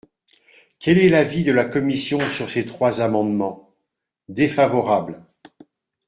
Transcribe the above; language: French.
Quel est l’avis de la commission sur ces trois amendements ? Défavorable.